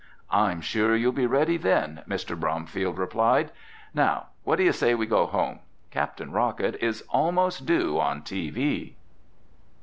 "I'm sure you'll be ready then," Mr. Bromfield replied. "Now, what do you say we go home? Captain Rocket is almost due on TV."